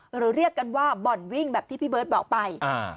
หรือเรียกกันว่าบ่อนวิ่งแบบที่พี่เบิร์ตบอกไป